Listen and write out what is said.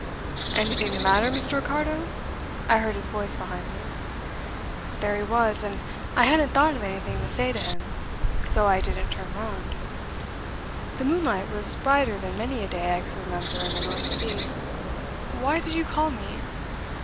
"'Anything the matter; Mr. Ricardo?' I heard his voice behind me. "There he was, and I hadn't thought of anything to say to him; so I didn't turn round. The moonlight was brighter than many a day I could remember in the North Sea. "'Why did you call me?